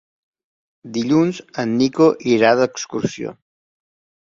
Dilluns en Nico irà d'excursió.